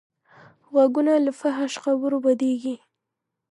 غوږونه له فحش خبرو بدېږي